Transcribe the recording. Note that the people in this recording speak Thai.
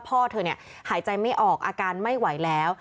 พ่อเธอหายใจไม่ออกอาการไม่ไหวแล้ว